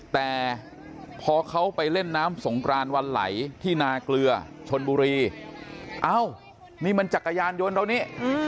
แต่พอเขาไปเล่นน้ำสงกรานวันไหลที่นาเกลือชนบุรีเอ้านี่มันจักรยานยนต์เท่านี้